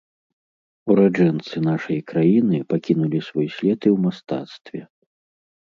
Ураджэнцы нашай краіны пакінулі свой след і ў мастацтве.